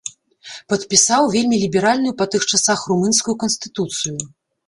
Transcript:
Падпісаў вельмі ліберальную па тых часах румынскую канстытуцыю.